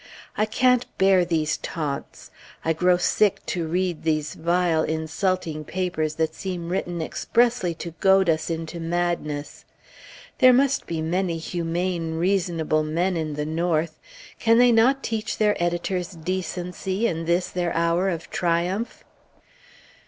I can't bear these taunts! I grow sick to read these vile, insulting papers that seem written expressly to goad us into madness!... There must be many humane, reasonable men in the North; can they not teach their editors decency in this their hour of triumph?